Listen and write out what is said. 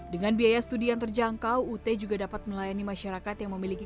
dengan biaya studi yang terjangkau ut juga dapat melayani masyarakat yang memiliki